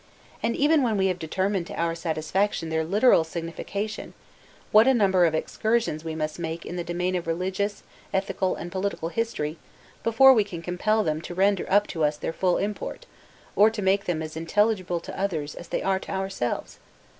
And even when we have determined to our satisfaction their literal signification, what a number of excursions we must make in the domain of religious, ethical, and political history before we can compel them to render up to us their full import, or make them as intelligible to others as they are to ourselves!